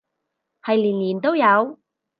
係年年都有